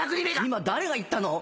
今誰が言ったの？